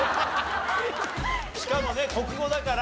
しかもね国語だから。